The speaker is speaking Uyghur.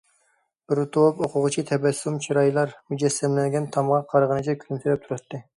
بىر توپ ئوقۇغۇچى تەبەسسۇم چىرايلار مۇجەسسەملەنگەن تامغا قارىغىنىچە كۈلۈمسىرەپ تۇراتتى.